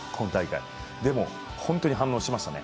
でも、本当に反応しましたね。